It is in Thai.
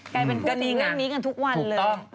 กลายเป็นคู่ดีเรื่องนี้กันทุกวันเลย